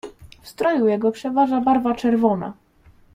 "W stroju jego przeważa barwa czerwona."